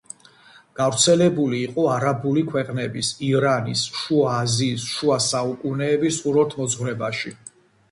გავრცელებული იყო არაბული ქვეყნების, ირანის, შუა აზიის შუა საუკუნეების ხუროთმოძღვრებაში.